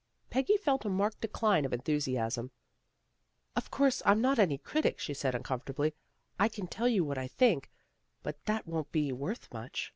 Peggy felt a marked decline of enthusiasm. " Of course I'm not any critic," she said uncom fortably. " I can tell you what I think, but that won't be worth much."